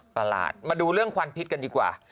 ประหลาดมาดูเรื่องควันพิษกันดีกว่า